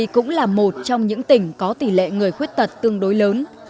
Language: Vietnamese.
cũng là một trong những tỉnh có tỷ lệ người khuyết tật tương đối lớn